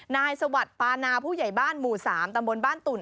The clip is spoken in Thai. สวัสดิ์ปานาผู้ใหญ่บ้านหมู่๓ตำบลบ้านตุ่น